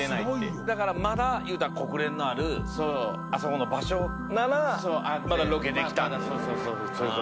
だからまだいうたら国連のあるあそこの場所ならまだロケできたっていう。